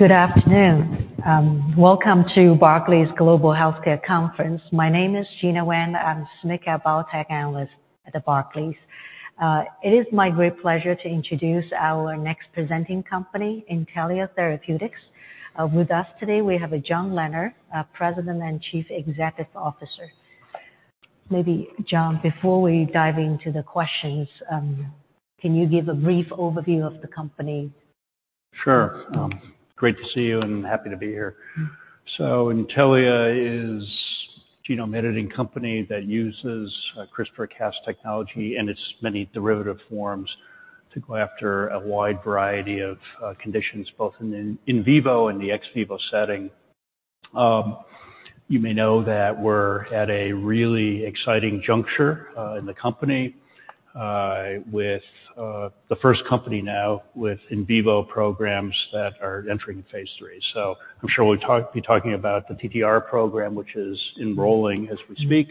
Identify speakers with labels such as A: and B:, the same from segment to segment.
A: Good afternoon. Welcome to Barclays Global Healthcare Conference. My name is Gena Wang. I'm a MD Biotech Analyst at Barclays. It is my great pleasure to introduce our next presenting company, Intellia Therapeutics. With us today we have John Leonard, President and Chief Executive Officer. Maybe, John, before we dive into the questions, can you give a brief overview of the company?
B: Sure. Great to see you and happy to be here. So Intellia is a genome editing company that uses CRISPR/Cas technology and its many derivative forms to go after a wide variety of conditions both in the in vivo and the ex vivo setting. You may know that we're at a really exciting juncture in the company with the first company now with in vivo programs that are entering phase three. So I'm sure we'll be talking about the TTR program, which is enrolling as we speak,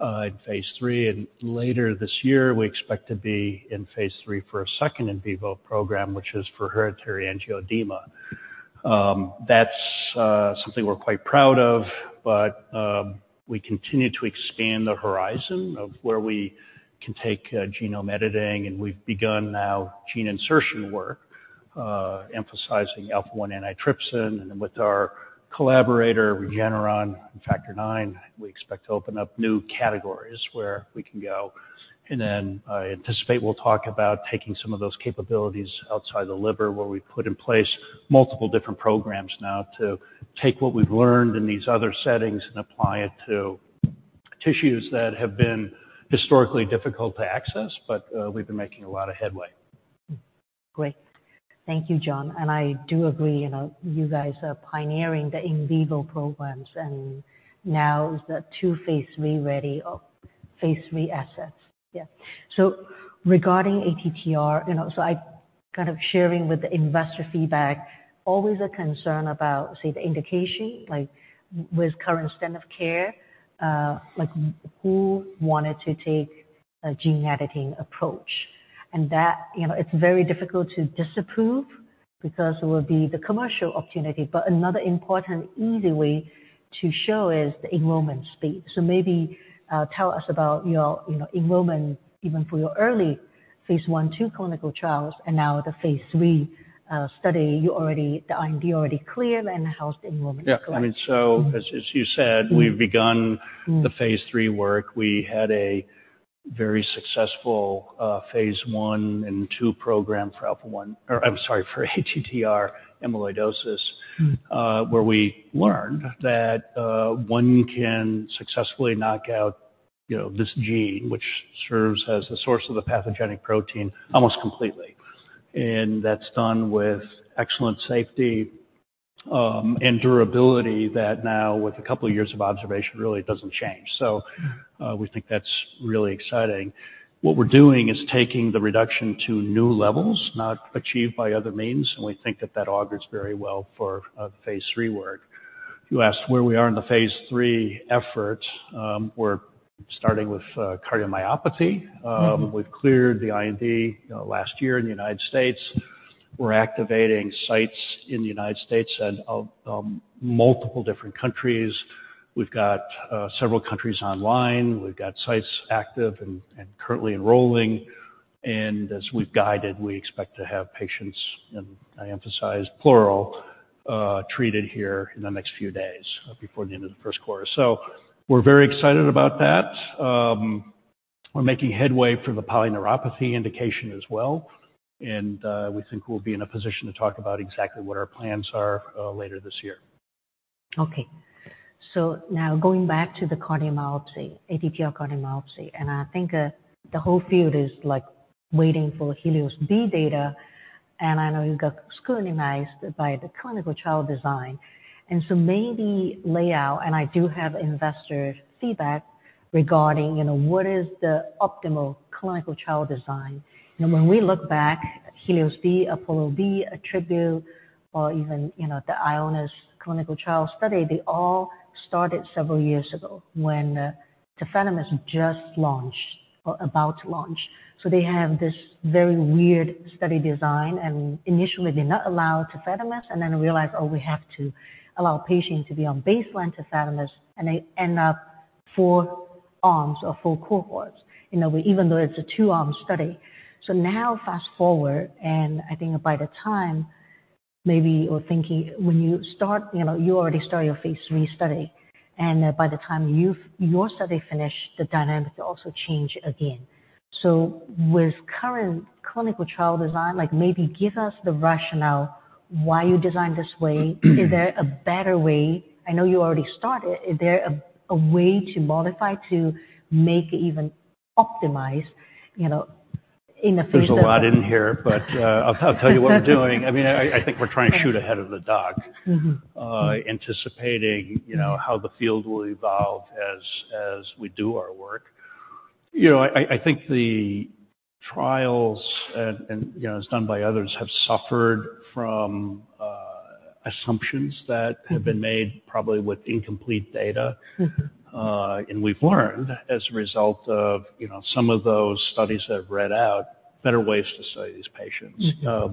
B: in phase three. And later this year we expect to be in phase three for a second in vivo program, which is for hereditary angioedema. That's something we're quite proud of. But we continue to expand the horizon of where we can take genome editing. And we've begun now gene insertion work, emphasizing alpha-1 antitrypsin. And then with our collaborator, Regeneron and Factor IX, we expect to open up new categories where we can go. And then, I anticipate we'll talk about taking some of those capabilities outside the liver where we put in place multiple different programs now to take what we've learned in these other settings and apply it to tissues that have been historically difficult to access. But, we've been making a lot of headway.
A: Great. Thank you, John. And I do agree, you know, you guys pioneering the in vivo programs. And now is that 2 phase 3 ready or phase 3 assets? Yeah. So regarding ATTR, you know, so I kind of sharing with the investor feedback, always a concern about, say, the indication, like, with current standard of care, like, who wanted to take a gene editing approach. And that, you know, it's very difficult to disprove because it would be the commercial opportunity. But another important easy way to show is the enrollment speed. So maybe tell us about your, you know, enrollment even for your early phase 1/2 clinical trials and now the phase 3 study. You've already got the IND cleared. And how's the enrollment look like?
B: Yeah. I mean, so as, as you said, we've begun.
A: Mm-hmm.
B: The phase three work. We had a very successful phase one and two program for alpha-1 or I'm sorry, for ATTR amyloidosis.
A: Mm-hmm.
B: Where we learned that one can successfully knock out, you know, this gene, which serves as the source of the pathogenic protein, almost completely. And that's done with excellent safety and durability that now, with a couple of years of observation, really doesn't change. So, we think that's really exciting. What we're doing is taking the reduction to new levels, not achieved by other means. And we think that that augments very well for the phase 3 work. If you asked where we are in the phase 3 effort, we're starting with cardiomyopathy.
A: Mm-hmm.
B: We've cleared the IND, you know, last year in the United States. We're activating sites in the United States and multiple different countries. We've got several countries online. We've got sites active and currently enrolling. And as we've guided, we expect to have patients in, I emphasize, plural, treated here in the next few days, before the end of the Q1. So we're very excited about that. We're making headway for the polyneuropathy indication as well. And we think we'll be in a position to talk about exactly what our plans are later this year.
A: Okay. So now going back to the cardiomyopathy, ATTR cardiomyopathy. I think the whole field is, like, waiting for HELIOS-B data. I know you got scrutinized by the clinical trial design. So maybe lay out and I do have investor feedback regarding, you know, what is the optimal clinical trial design. You know, when we look back, HELIOS-B, APOLLO-B, ATTRibute, or even, you know, the Ionis clinical trial study, they all started several years ago when tafamidis just launched or about to launch. So they have this very weird study design. Initially they're not allowed tafamidis. Then realize, oh, we have to allow patients to be on baseline tafamidis. They end up four arms or four cohorts, you know, even though it's a two-arm study. So now fast forward. I think by the time maybe we're thinking when you start, you know, you already start your phase 3 study. By the time you've your study finished, the dynamics also change again. With current clinical trial design, like, maybe give us the rationale why you designed this way.
B: Mm-hmm.
A: Is there a better way? I know you already started. Is there a way to modify to make it even optimized, you know, in the phase of?
B: There's a lot in here. But, I'll tell you what we're doing. I mean, I think we're trying to shoot ahead of the dog.
A: Mm-hmm.
B: Anticipating, you know, how the field will evolve as we do our work. You know, I think the trials and, you know, as done by others, have suffered from assumptions that have been made probably with incomplete data.
A: Mm-hmm.
B: We've learned as a result of, you know, some of those studies that have read out better ways to study these patients.
A: Mm-hmm.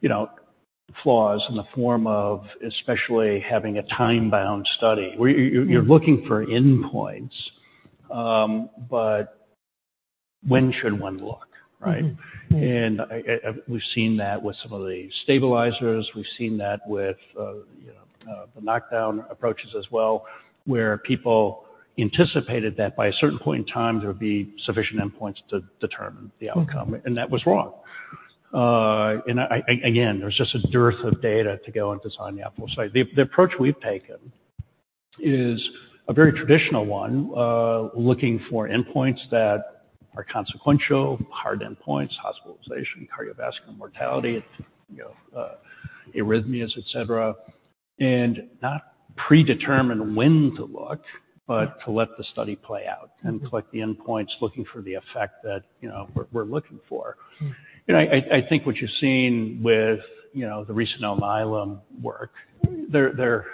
B: You know, flaws in the form of especially having a time-bound study where you're looking for endpoints. But when should one look, right?
A: Mm-hmm.
B: We've seen that with some of the stabilizers. We've seen that with, you know, the knockdown approaches as well where people anticipated that by a certain point in time, there would be sufficient endpoints to determine the outcome.
A: Mm-hmm.
B: That was wrong. And I again, there's just a dearth of data to go and design the optimal study. The approach we've taken is a very traditional one, looking for endpoints that are consequential, hard endpoints, hospitalization, cardiovascular mortality, you know, arrhythmias, etc., and not predetermine when to look but to let the study play out and collect the endpoints looking for the effect that, you know, we're looking for.
A: Mm-hmm.
B: You know, I think what you've seen with, you know, the recent Alnylam work, they're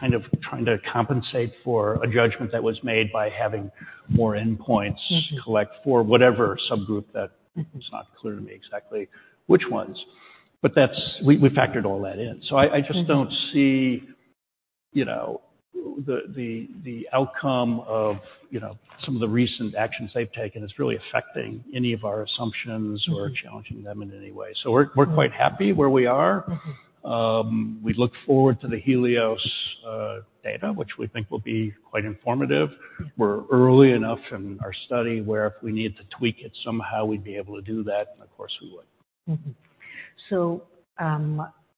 B: kind of trying to compensate for a judgment that was made by having more endpoints.
A: Mm-hmm.
B: Collect for whatever subgroup that.
A: Mm-hmm.
B: It's not clear to me exactly which ones. But that's, we factored all that in. So I just don't see, you know, the outcome of, you know, some of the recent actions they've taken as really affecting any of our assumptions or challenging them in any way. So we're quite happy where we are.
A: Mm-hmm.
B: We look forward to the HELIOS data, which we think will be quite informative. We're early enough in our study where if we need to tweak it somehow, we'd be able to do that. And of course we would.
A: Mm-hmm. So,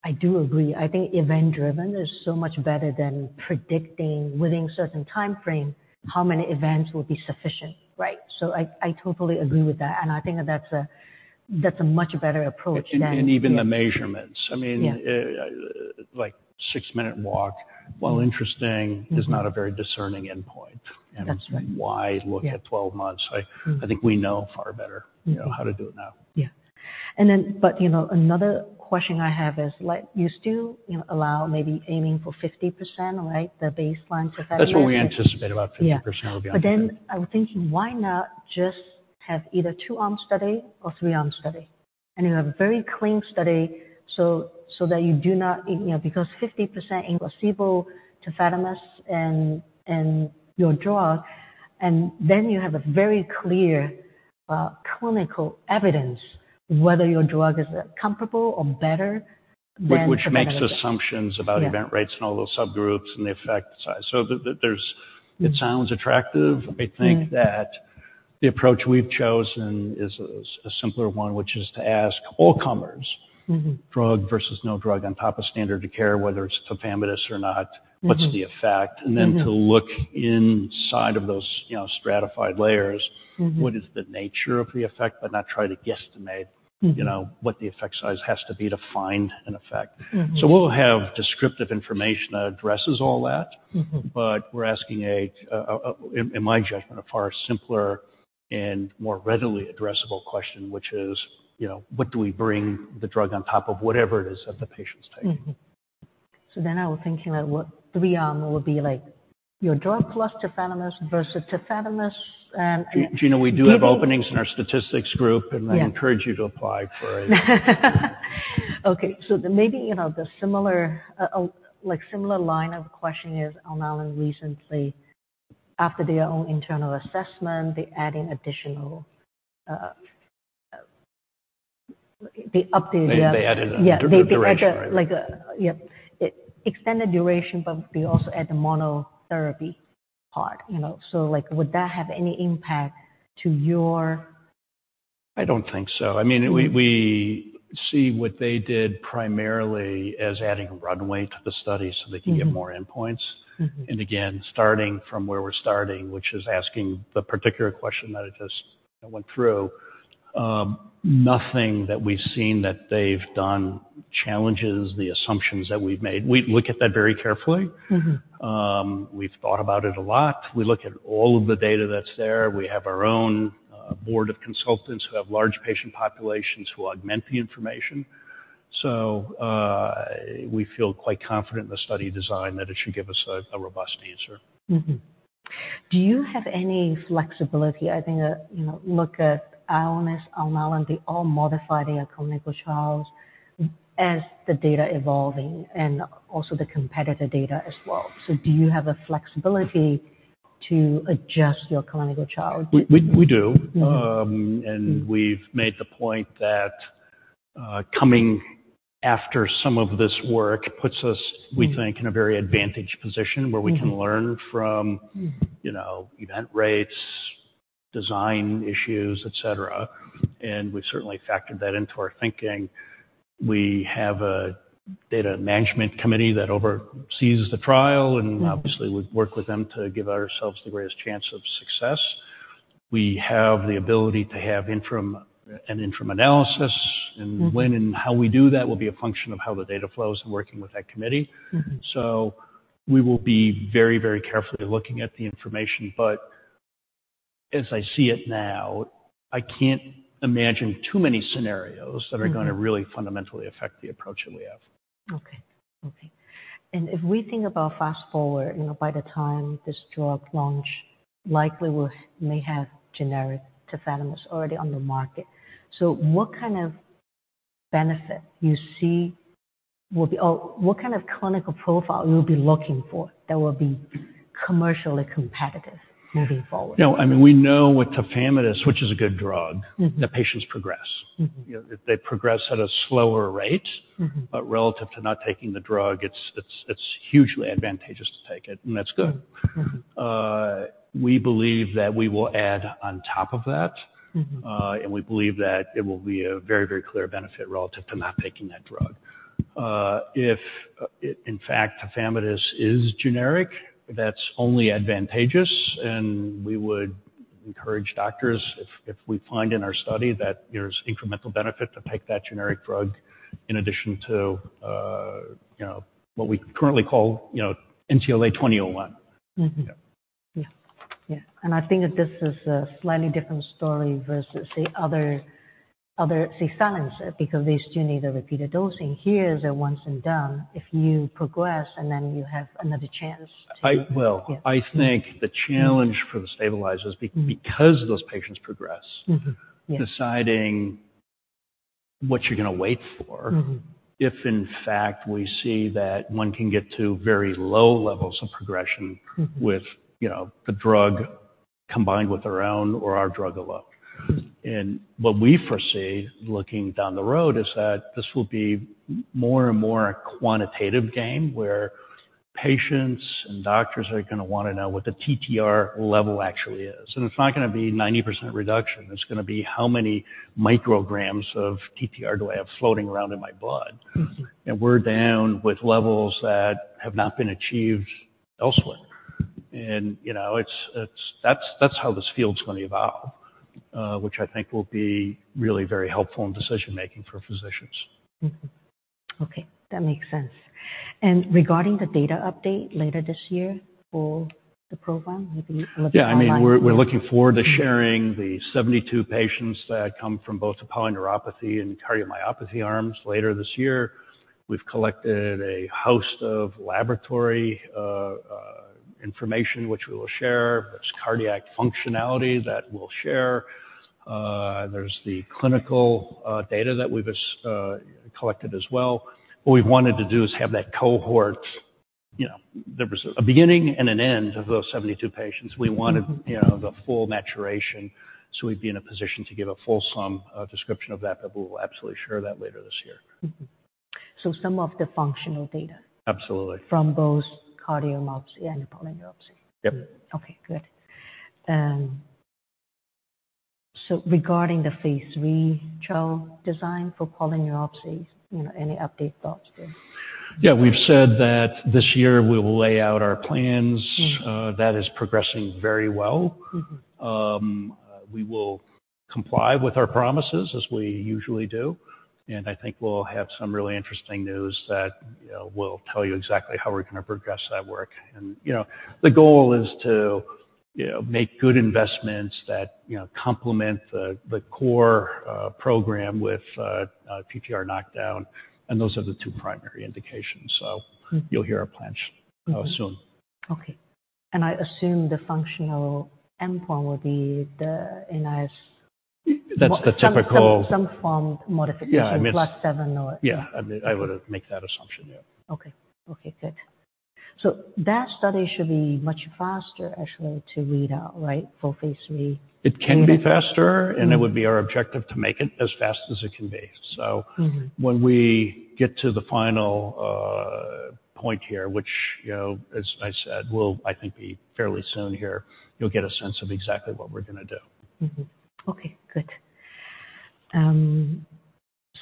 A: I do agree. I think event-driven is so much better than predicting within a certain time frame how many events will be sufficient, right? So I totally agree with that. And I think that that's a much better approach than.
B: Even the measurements. I mean.
A: Yeah.
B: like, six-minute walk, while interesting.
A: Mm-hmm.
B: is not a very discerning endpoint.
A: That's right.
B: Why look at 12 months? I think we know far better, you know, how to do it now.
A: Yeah. But, you know, another question I have is, like, you still, you know, allow maybe aiming for 50%, right, the baseline tafamidis?
B: That's what we anticipate. About 50% will be on point.
A: Yeah. But then I'm thinking, why not just have either a two-arm study or a three-arm study? And you have a very clean study so, so that you do not, you know, because 50% in placebo tafamidis and, and your drug. And then you have a very clear, clinical evidence whether your drug is comparable or better than.
B: Which makes assumptions about event rates and all those subgroups and the effect size. So, it sounds attractive. I think that.
A: Mm-hmm.
B: The approach we've chosen is a simpler one, which is to ask all-comers.
A: Mm-hmm.
B: Drug versus no drug on top of standard of care, whether it's tafamidis or not.
A: Mm-hmm.
B: What's the effect? And then to look inside of those, you know, stratified layers.
A: Mm-hmm.
B: What is the nature of the effect, but not try to guesstimate.
A: Mm-hmm.
B: You know, what the effect size has to be to find an effect.
A: Mm-hmm.
B: We'll have descriptive information that addresses all that.
A: Mm-hmm.
B: But we're asking, in my judgment, a far simpler and more readily addressable question, which is, you know, what do we bring the drug on top of whatever it is that the patient's taking?
A: Mm-hmm. So then I was thinking, like, what three-arm would be, like, your drug plus tafamidis versus tafamidis and, and.
B: Gena, we do have openings in our statistics group.
A: Mm-hmm.
B: I encourage you to apply for a.
A: Okay. So maybe, you know, the similar, like, similar line of question is, Alnylam recently, after their own internal assessment, they're adding additional, they updated the.
B: They added a duration.
A: They added, like, a yep. It extended duration. But they also added monotherapy part, you know. So, like, would that have any impact to your?
B: I don't think so. I mean.
A: Mm-hmm.
B: We see what they did primarily as adding runway to the study so they can get more endpoints.
A: Mm-hmm. Mm-hmm.
B: And again, starting from where we're starting, which is asking the particular question that I just, you know, went through, nothing that we've seen that they've done challenges the assumptions that we've made. We look at that very carefully.
A: Mm-hmm.
B: We've thought about it a lot. We look at all of the data that's there. We have our own board of consultants who have large patient populations who augment the information. So, we feel quite confident in the study design that it should give us a robust answer.
A: Mm-hmm. Do you have any flexibility? I think, you know, look at Ionis, Alnylam, they all modify their clinical trials as the data evolving and also the competitor data as well. So do you have a flexibility to adjust your clinical trial?
B: We do.
A: Mm-hmm.
B: We've made the point that, coming after some of this work puts us, we think, in a very advantaged position where we can learn from.
A: Mm-hmm.
B: You know, event rates, design issues, etc. We've certainly factored that into our thinking. We have a data management committee that oversees the trial.
A: Mm-hmm.
B: Obviously, we work with them to give ourselves the greatest chance of success. We have the ability to have interim and interim analysis.
A: Mm-hmm.
B: When and how we do that will be a function of how the data flows and working with that committee.
A: Mm-hmm.
B: So we will be very, very carefully looking at the information. But as I see it now, I can't imagine too many scenarios that are going to really fundamentally affect the approach that we have.
A: Okay. Okay. And if we think about fast forward, you know, by the time this drug launch, likely we'll may have generic Tafamidis already on the market. So what kind of benefit you see will be or what kind of clinical profile you'll be looking for that will be commercially competitive moving forward?
B: Yeah. I mean, we know with tafamidis, which is a good drug.
A: Mm-hmm.
B: That patients progress.
A: Mm-hmm.
B: You know, that they progress at a slower rate.
A: Mm-hmm.
B: But relative to not taking the drug, it's hugely advantageous to take it. And that's good.
A: Mm-hmm. Mm-hmm.
B: We believe that we will add on top of that.
A: Mm-hmm.
B: And we believe that it will be a very, very clear benefit relative to not taking that drug. If, in fact, tafamidis is generic, that's only advantageous. And we would encourage doctors if, if we find in our study that there's incremental benefit to take that generic drug in addition to, you know, what we currently call, you know, NTLA-2001.
A: Mm-hmm.
B: Yeah.
A: Yeah. Yeah. And I think that this is a slightly different story versus, say, other say, silencers because they still need the repeated dosing. Here is a once-and-done. If you progress and then you have another chance to.
B: I will.
A: Yeah.
B: I think the challenge for the stabilizers because those patients progress.
A: Mm-hmm. Yeah.
B: Deciding what you're going to wait for.
A: Mm-hmm.
B: If in fact we see that one can get to very low levels of progression.
A: Mm-hmm.
B: With, you know, the drug combined with our own or our drug alone.
A: Mm-hmm.
B: What we foresee looking down the road is that this will be more and more a quantitative game where patients and doctors are going to want to know what the TTR level actually is. It's not going to be 90% reduction. It's going to be how many micrograms of TTR do I have floating around in my blood?
A: Mm-hmm.
B: We're down with levels that have not been achieved elsewhere. You know, it's that, that's how this field's going to evolve, which I think will be really very helpful in decision-making for physicians.
A: Okay. Okay. That makes sense. Regarding the data update later this year for the program, maybe a little bit online.
B: Yeah. I mean, we're, we're looking forward to sharing the 72 patients that come from both the polyneuropathy and cardiomyopathy arms later this year. We've collected a host of laboratory information, which we will share. There's cardiac functionality that we'll share. There's the clinical data that we've collected as well. What we wanted to do is have that cohort, you know, there was a beginning and an end of those 72 patients. We wanted.
A: Mm-hmm.
B: You know, the full maturation so we'd be in a position to give a full-sum description of that. But we will absolutely share that later this year.
A: Mm-hmm. So some of the functional data.
B: Absolutely.
A: From both cardiomyopathy and polyneuropathy.
B: Yep.
A: Okay. Good. And so regarding the phase 3 trial design for polyneuropathy, you know, any update thoughts there?
B: Yeah. We've said that this year, we will lay out our plans.
A: Mm-hmm.
B: that is progressing very well.
A: Mm-hmm.
B: We will comply with our promises as we usually do. I think we'll have some really interesting news that, you know, will tell you exactly how we're going to progress that work. You know, the goal is to, you know, make good investments that, you know, complement the, the core, program with, TTR knockdown. Those are the two primary indications. So.
A: Mm-hmm.
B: You'll hear our plans, soon.
A: Mm-hmm. Okay. And I assume the functional endpoint will be the NIS.
B: That's the typical.
A: Some form modification.
B: Yeah. I mean.
A: +7 or.
B: Yeah. I mean, I would have made that assumption. Yeah.
A: Okay. Okay. Good. So that study should be much faster, actually, to read out, right, for phase 3.
B: It can be faster.
A: Mm-hmm.
B: It would be our objective to make it as fast as it can be. So.
A: Mm-hmm.
B: When we get to the final point here, which, you know, as I said, will, I think, be fairly soon here, you'll get a sense of exactly what we're going to do.
A: Mm-hmm. Okay. Good.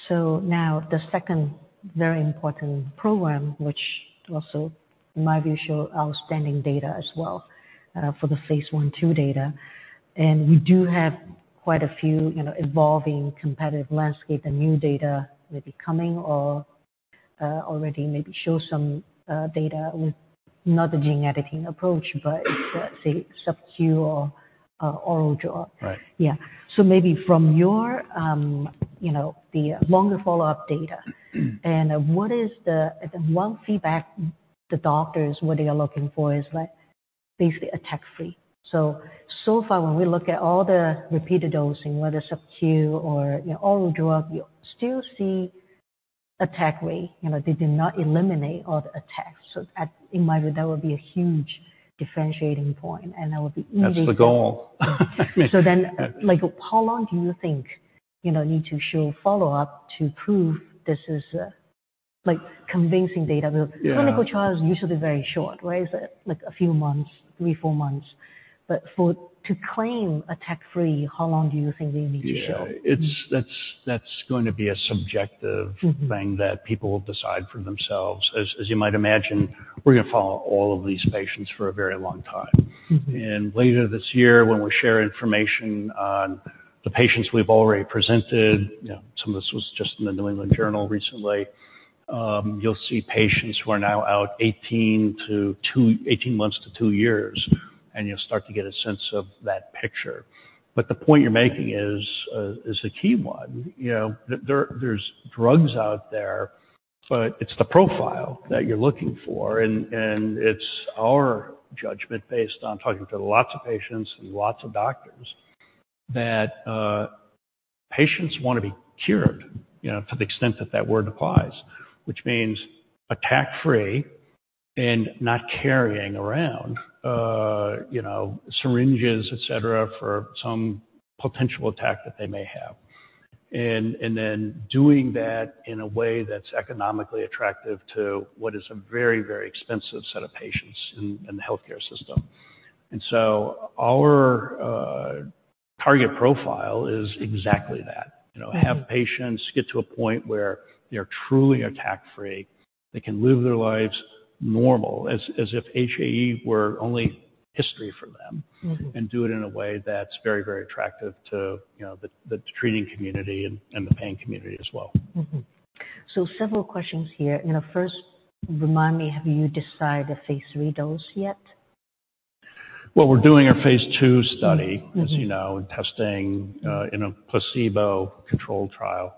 A: So now the second very important program, which also, in my view, showed outstanding data as well, for the phase 1/2 data. And we do have quite a few, you know, evolving competitive landscape, the new data maybe coming or, already maybe show some, data with not the gene editing approach but it's, say, subQ or, oral drug.
B: Right.
A: Yeah. So maybe from your, you know, the longer follow-up data.
B: Mm-hmm.
A: What is the number one feedback the doctors, what they are looking for is, like, basically, attack-free. So, so far, when we look at all the repeated dosing, whether subQ or, you know, oral drug, you still see attack rate. You know, they did not eliminate all the attacks. So, in my view, that would be a huge differentiating point. And that would be easy.
B: That's the goal.
A: So then, like, how long do you think, you know, need to show follow-up to prove this is a, like, convincing data? Because.
B: Yeah.
A: Clinical trial is usually very short, right? It's a, like, a few months, 3, 4 months. But for to claim attack-free, how long do you think they need to show?
B: Yeah. It's that. That's going to be a subjective.
A: Mm-hmm.
B: Thing that people will decide for themselves. As you might imagine, we're going to follow all of these patients for a very long time.
A: Mm-hmm.
B: Later this year, when we share information on the patients we've already presented, you know, some of this was just in the New England Journal recently, you'll see patients who are now out 18 to 24 months to two years. You'll start to get a sense of that picture. But the point you're making is a key one. You know, there are drugs out there. But it's the profile that you're looking for. And it's our judgment based on talking to lots of patients and lots of doctors that patients want to be cured, you know, to the extent that that word applies, which means attack-free and not carrying around, you know, syringes, etc., for some potential attack that they may have. and then doing that in a way that's economically attractive to what is a very, very expensive set of patients in the healthcare system. And so our target profile is exactly that, you know, have patients get to a point where they are truly attack-free. They can live their lives normal as if HAE were only history for them.
A: Mm-hmm.
B: Do it in a way that's very, very attractive to, you know, the treating community and the pain community as well.
A: Mm-hmm. Several questions here. You know, first, remind me, have you decided a phase 3 dose yet?
B: Well, we're doing our phase 2 study.
A: Mm-hmm.
B: As you know, testing in a placebo-controlled trial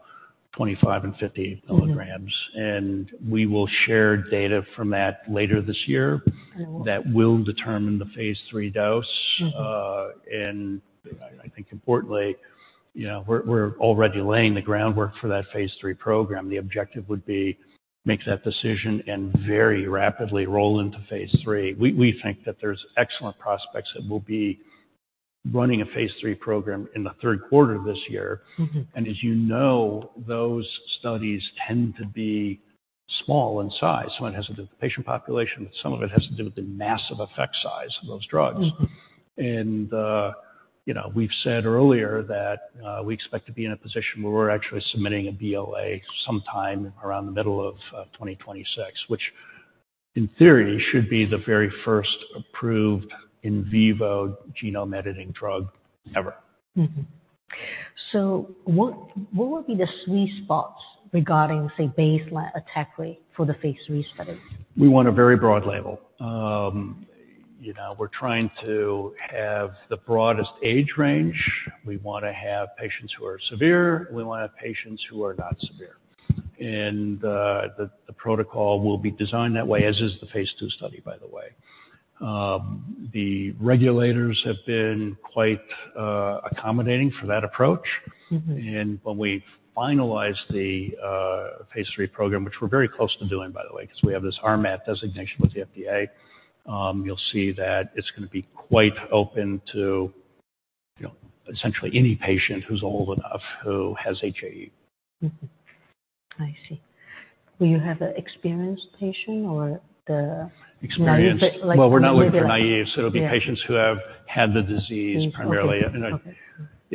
B: 25 and 50 milligrams.
A: Mm-hmm.
B: We will share data from that later this year.
A: And it will.
B: That will determine the phase 3 dose.
A: Mm-hmm.
B: I think importantly, you know, we're already laying the groundwork for that phase 3 program. The objective would be make that decision and very rapidly roll into phase 3. We think that there's excellent prospects that we'll be running a phase 3 program in the Q3 of this year.
A: Mm-hmm.
B: As you know, those studies tend to be small in size. Some of it has to do with the patient population. But some of it has to do with the massive effect size of those drugs.
A: Mm-hmm.
B: You know, we've said earlier that we expect to be in a position where we're actually submitting a BLA sometime around the middle of 2026, which, in theory, should be the very first approved in vivo genome editing drug ever.
A: Mm-hmm. So what, what would be the sweet spots regarding, say, baseline attack rate for the phase 3 studies?
B: We want a very broad label. You know, we're trying to have the broadest age range. We want to have patients who are severe. We want to have patients who are not severe. And the protocol will be designed that way, as is the phase 2 study, by the way. The regulators have been quite accommodating for that approach.
A: Mm-hmm.
B: When we finalize the phase 3 program, which we're very close to doing, by the way, because we have this RMAT designation with the FDA, you'll see that it's going to be quite open to, you know, essentially, any patient who's old enough who has HAE.
A: Mm-hmm. I see. Will you have an experienced patient or the naive?
B: Experienced. Well, we're not looking for naive. So it'll be patients who have had the disease primarily.
A: Okay. Okay.
B: You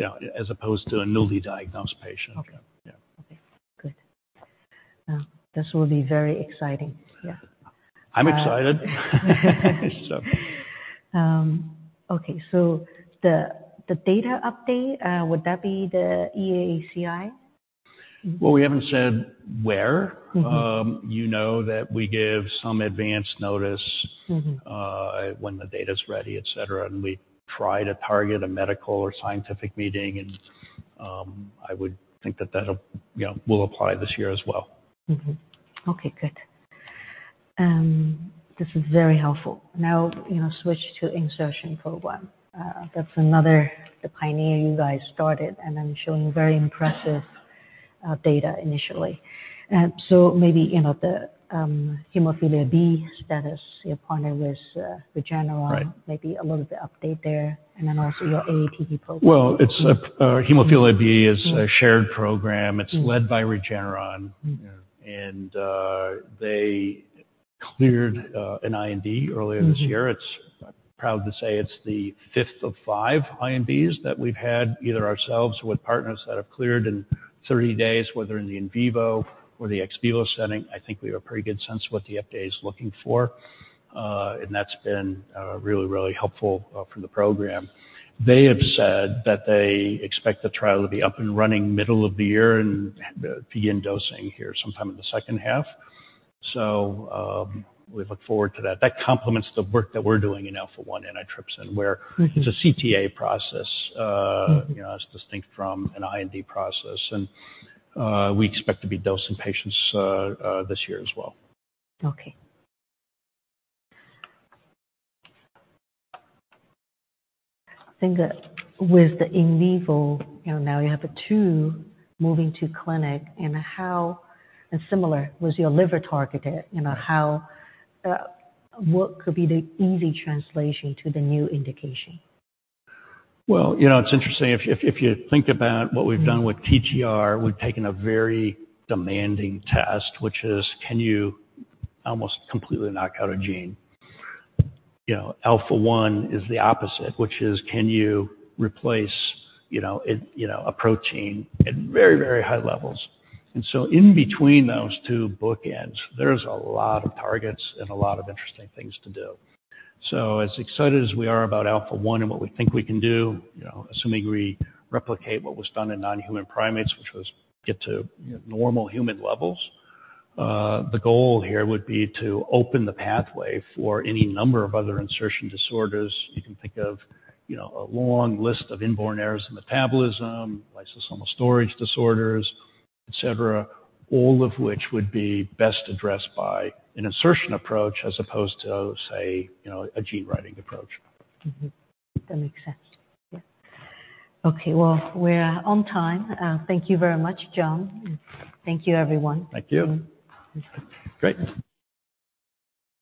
B: know, you know, as opposed to a newly diagnosed patient.
A: Okay.
B: Yeah.
A: Okay. Good. This will be very exciting. Yeah.
B: I'm excited, so.
A: Okay. So the data update, would that be the EAACI?
B: Well, we haven't said where.
A: Mm-hmm.
B: You know that we give some advanced notice.
A: Mm-hmm.
B: When the data's ready, etc. We try to target a medical or scientific meeting. I would think that that'll, you know, will apply this year as well.
A: Mm-hmm. Okay. Good. This is very helpful. Now, you know, switch to insertion program. That's another the pioneer you guys started. And I'm showing very impressive data initially. So maybe, you know, the hemophilia B status. You're partnering with Regeneron.
B: Right.
A: Maybe a little bit update there. And then also your AATD program.
B: Well, it's hemophilia B is a shared program. It's led by Regeneron.
A: Mm-hmm.
B: They cleared an IND earlier this year. It's. I'm proud to say it's the fifth of five INDs that we've had, either ourselves or with partners, that have cleared in 30 days, whether in the in vivo or the ex vivo setting. I think we have a pretty good sense of what the FDA is looking for. And that's been really, really helpful from the program. They have said that they expect the trial to be up and running middle of the year and begin dosing here sometime in the second half. So, we look forward to that. That complements the work that we're doing in alpha-1 antitrypsin, where.
A: Mm-hmm.
B: It's a CTA process, you know, as distinct from an IND process. We expect to be dosing patients, this year as well.
A: Okay. I think, with the in vivo, you know, now you have NTLA-2002 moving to clinic. And how similar was your liver targeting? You know, how, what could be the easy translation to the new indication?
B: Well, you know, it's interesting. If you think about what we've done with TTR, we've taken a very demanding test, which is, can you almost completely knock out a gene? You know, alpha-1 is the opposite, which is, can you replace a protein at very, very high levels? And so in between those two bookends, there's a lot of targets and a lot of interesting things to do. So as excited as we are about alpha-1 and what we think we can do, you know, assuming we replicate what was done in non-human primates, which was get to normal human levels, the goal here would be to open the pathway for any number of other insertion disorders. You can think of, you know, a long list of inborn errors in metabolism, lysosomal storage disorders, etc., all of which would be best addressed by an insertion approach as opposed to, say, you know, a gene writing approach.
A: Mm-hmm. That makes sense. Yeah. Okay. Well, we're on time. Thank you very much, John. Thank you, everyone.
B: Thank you.
A: And.
B: Great.